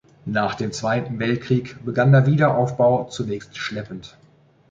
Nach dem Zweiten Weltkrieg begann der Wiederaufbau zunächst schleppend.